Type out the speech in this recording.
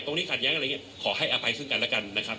ตรงนี้ขัดแย้งอะไรอย่างนี้